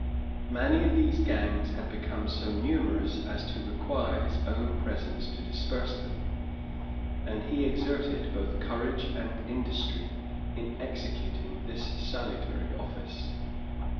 Many of these gangs had become so numerous as to require his own presence to disperse them; and he exerted both courage and industry in executing this salutary office.